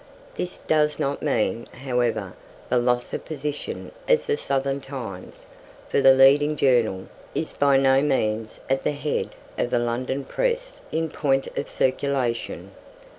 This does not mean, however, the loss of position as the Southern "Times", for "the leading journal" is by no means at the head of the London press in point of circulation.